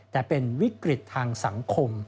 แต่เป็นวิกฤตทางสังคม